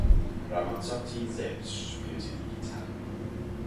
Ramazzotti selbst spielte die Gitarre.